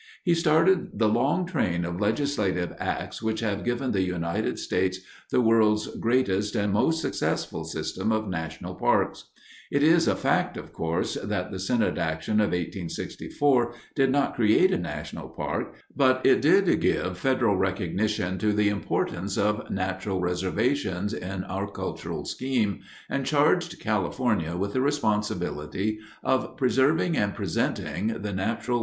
He started the long train of legislative acts which have given the United States the world's greatest and most successful system of national parks. It is a fact, of course, that the Senate action of 1864 did not create a national park but it did give Federal recognition to the importance of natural reservations in our cultural scheme, and charged California with the responsibility of preserving and presenting the natural wonders of the Yosemite.